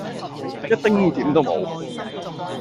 一丁點都無